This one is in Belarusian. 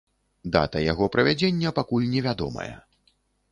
Дата яго правядзення пакуль невядомая.